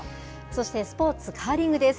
そしてスポーツ、カーリングです。